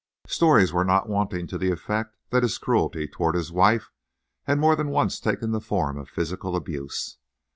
Stories were not wanting to the effect that his cruelty toward his wife had more than once taken the form of physical abuse.